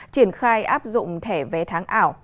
triển khai áp dụng thẻ vé tháng ảo